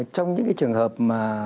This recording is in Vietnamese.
trong những trường hợp mà